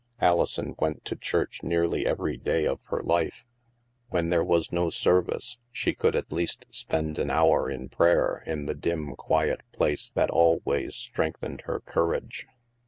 Alison went to church nearly every day of her 242 THE MASK life. When there was no service, she could at least spend an hour in prayer in the dim quiet place that always strengthened her courage.